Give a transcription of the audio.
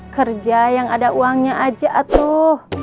kerja yang ada uangnya aja tuh